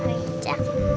eh pak wicak